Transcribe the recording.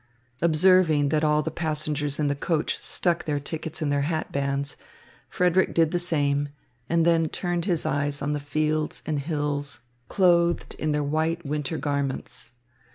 Observing that all the passengers in the coach stuck their tickets in their hat bands, Frederick did the same, and then turned his eyes on the fields and hills clothed in their white winter garments.